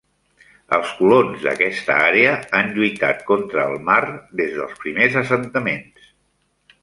Els colons d'aquesta àrea han lluitat contra el mar des dels primers assentaments.